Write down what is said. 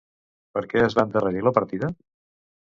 Per què es va endarrerir la partida?